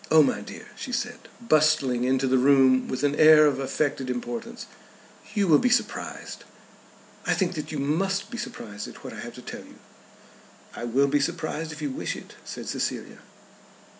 "Oh, my dear," she said, bustling into the room with an air of affected importance, "you will be surprised, I think that you must be surprised at what I have to tell you." "I will be surprised if you wish it," said Cecilia.